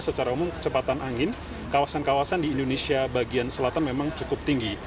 secara umum kecepatan angin kawasan kawasan di indonesia bagian selatan memang cukup tinggi